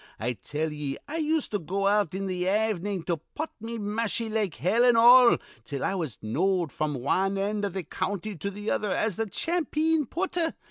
I tell ye I used to go out in th' avenin' an' putt me mashie like hell an' all, till I was knowed fr'm wan end iv th' county to th' other as th' champeen putter.